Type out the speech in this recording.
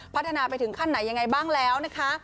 พัฒนาไปถึงขั้นไหนยังไงบ้างแล้วนะคะ